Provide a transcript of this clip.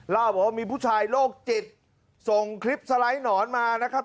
เล่าบอกว่ามีผู้ชายโรคจิตส่งคลิปสไลด์หนอนมานะครับ